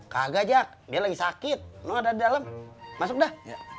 kagak jak dia lagi sakit emang ada di dalam masuk dah